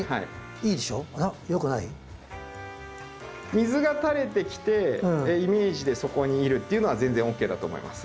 水がたれてきてイメージでそこにいるっていうのは全然ＯＫだと思います。